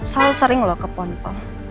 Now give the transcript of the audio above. sel sering loh